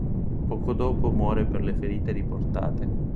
Poco dopo muore per le ferite riportate.